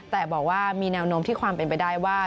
แต่บอกว่ามีแนวโน้มที่ความเป็นไปได้ว่า